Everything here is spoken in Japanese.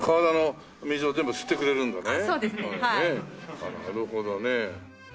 ああなるほどね。